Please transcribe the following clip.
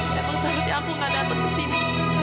memang seharusnya aku gak datang ke sini